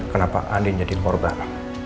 kenapa andin jadi korban